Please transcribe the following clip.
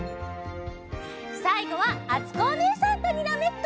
さいごはあつこおねえさんとにらめっこ！